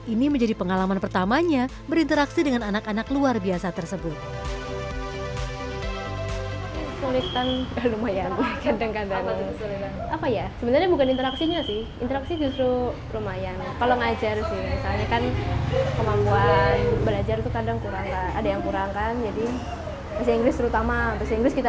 ini menjadi pengalaman pertamanya berinteraksi dengan anak anak luar biasa tersebut